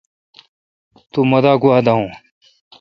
تو مہ دا گوا داون۔